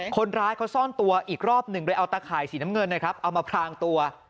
คนร้ายเขาซ่อนตัวอีกรอบหนึ่งโดยเอาตะข่ายสีน้ำเงินนะครับเอามาพรางตัว